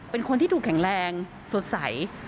เป็นคนที่ถูกแข็งแรงสดใส